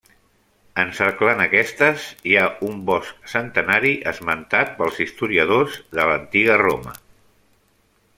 Encerclant aquestes hi ha un bosc centenari esmentat pels historiadors de l'antiga Roma.